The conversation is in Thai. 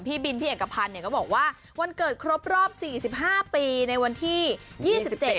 พี่บินพี่เอกพันธ์เนี่ยก็บอกว่าวันเกิดครบรอบสี่สิบห้าปีในวันที่ยี่สิบเจ็ด